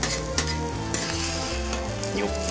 よっ。